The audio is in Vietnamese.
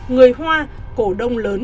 người hoa cổ đông lớn